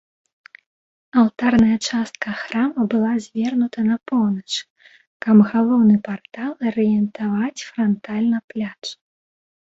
Алтарная частка храма была звернута на поўнач, каб галоўны партал арыентаваць франтальна пляцу.